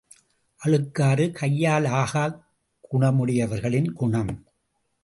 அழுக்காறு கையாலாகாக் குணமுடையவர்களின் குணம்!